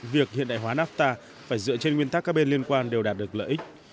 việc hiện đại hóa nafta phải dựa trên nguyên tắc các bên liên quan đều đạt được lợi ích